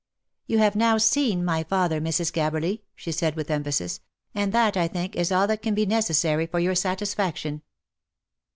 " You have now seen my father, Mrs. Gabberly," she said with emphasis, " and that, I think, is all that can be necessary for your satisfaction."